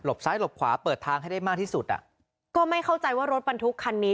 ซ้ายหลบขวาเปิดทางให้ได้มากที่สุดอ่ะก็ไม่เข้าใจว่ารถบรรทุกคันนี้